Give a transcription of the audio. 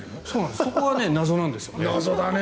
そこは謎なんですよね。